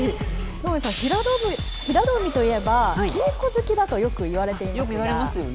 能町さん、平戸海といえば、稽古好きだとよくいわれていますが。